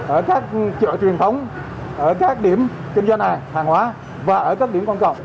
ở các chợ truyền thống ở các điểm kinh doanh hàng hàng hóa và ở các điểm quan trọng